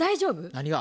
何が？